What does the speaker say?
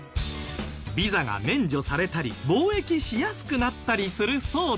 ビザが免除されたり貿易しやすくなったりするそうですが。